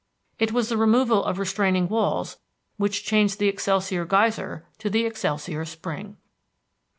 It was the removal of restraining walls which changed the Excelsior Geyser to the Excelsior Spring.